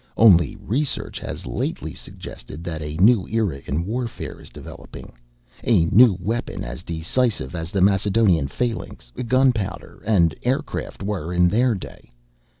Only research has lately suggested that a new era in warfare is developing a new weapon as decisive as the Macedonian phalanx, gunpowder, and aircraft were in their day."